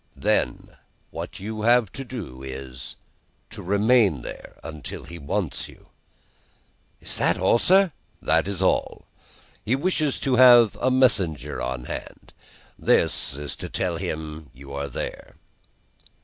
Then what you have to do, is, to remain there until he wants you." "Is that all, sir?" "That's all. He wishes to have a messenger at hand. This is to tell him you are there."